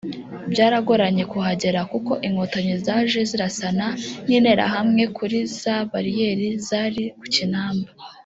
Byaragoranye kuhagera kuko Inkotanyi zaje zirasana n’interahamwe kuri za bariyeri zari ku Kinamba